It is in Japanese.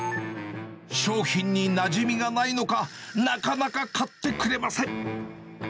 商品になじみがないのか、なかなか買ってくれません。